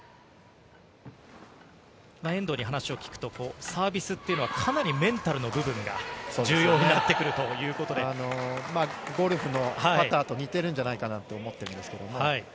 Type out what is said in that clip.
遠藤に話を聞くとサービスというのはかなりメンタルの部分が重要になってくるといゴルフのパターと似ているんじゃないかなと思っています。